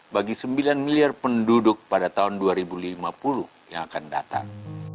bagi sembilan miliar penduduk pada tahun dua ribu lima puluh yang akan datang